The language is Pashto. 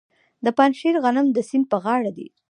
د پنجشیر غنم د سیند په غاړه دي.